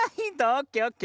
オッケーオッケー。